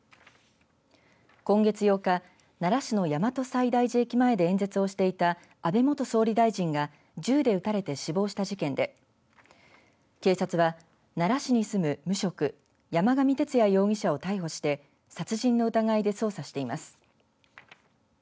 今月８日、奈良市大和西大寺駅前で演説をしていた安倍元総理大臣が銃で撃たれて死亡した事件で警察は奈良市に住む無職山上徹也容疑者を逮捕して殺人の疑いで捜査しています。